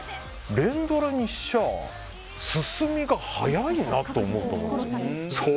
連ドラにしちゃ進みが早いなと思うと思う。